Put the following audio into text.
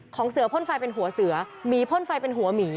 เสือพ่นไฟเป็นหัวเสือหมีพ่นไฟเป็นหัวหมี